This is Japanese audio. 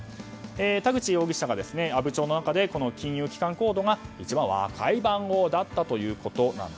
田口容疑者が阿武町の中で金融機関コードが一番若い番号だったと。